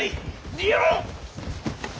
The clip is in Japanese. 逃げろ！